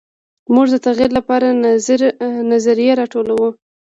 موږ د تغیر لپاره نظریې راټولوو.